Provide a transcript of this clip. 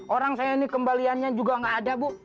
orang saya ini kembaliannya juga nggak ada bu